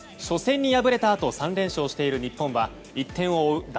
初戦に敗れたあと３連勝している日本は１点を追う